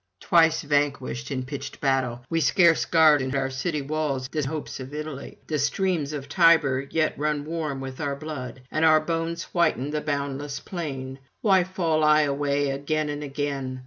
Twice vanquished in pitched battle, we scarce guard in our city walls the hopes of Italy: the streams of Tiber yet run warm with our blood, and our bones whiten the boundless plain. Why fall I away again and again?